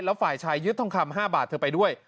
แล้วฝ่ายชายยึดทองคำ๕บาทเธอไปด้วย